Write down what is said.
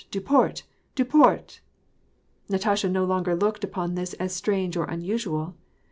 Duport ! Duport !" Katasha no longer looked upon this as strange or unusual.